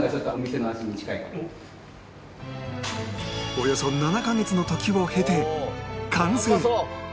およそ７カ月の時を経て完成